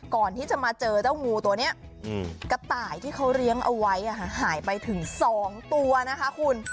ก่อนที่จะมาเจอเจ้างูตัวนี้กระต่ายที่เขาเลี้ยงเอาไว้หายไปถึง๒ตัวนะคะคุณ